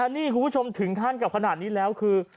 นี่คุณผู้ชมถึงขั้นกับขนาดนี้แล้วคือ